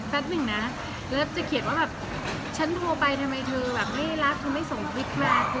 หนึ่งนะแล้วจะเขียนว่าแบบฉันโทรไปทำไมเธอแบบไม่รักเธอไม่ส่งคลิปมา